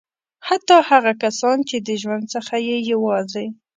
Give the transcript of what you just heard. حتی هغه کسان چې د ژوند څخه یې یوازې.